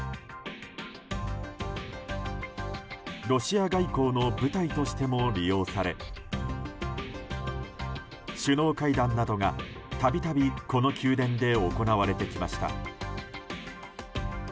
ロシア外交の舞台としても利用され首脳会談などが度々この宮殿で行われてきました。